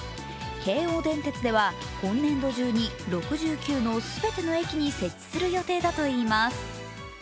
京王電鉄では今年度中に６９の全ての駅に設置する予定だといいます。